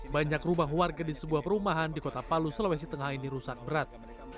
banyak rumah warga di sebuah perumahan di kota palu sulawesi tengah ini rusak berat